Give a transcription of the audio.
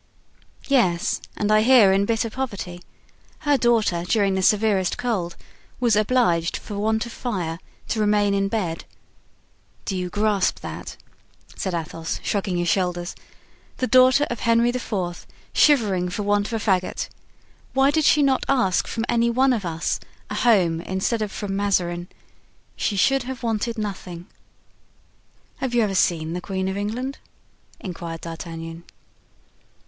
"Yes, and I hear in bitter poverty. Her daughter, during the severest cold, was obliged for want of fire to remain in bed. Do you grasp that?" said Athos, shrugging his shoulders; "the daughter of Henry IV. shivering for want of a fagot! Why did she not ask from any one of us a home instead of from Mazarin? She should have wanted nothing." "Have you ever seen the queen of England?" inquired D'Artagnan.